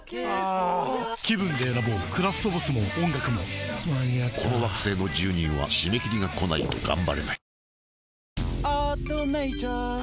気分で選ぼうクラフトボスも音楽も間に合ったこの惑星の住人は締め切りがこないとがんばれない